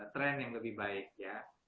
tren yang lebih baik ya